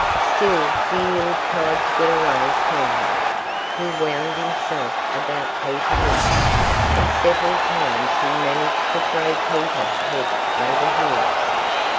Still the eel tried to get away from him. He wound himself about Peter Mink. And several times he managed to throw Peter head over heels.